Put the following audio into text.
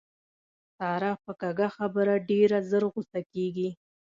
ساره په کږه خبره ډېره زر غوسه کېږي.